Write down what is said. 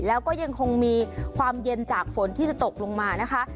แล้วก็ยังคงมีความเย็นจากฝนที่จะตกลงมานะคะ